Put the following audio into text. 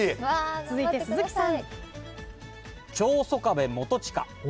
続いて鈴木さん。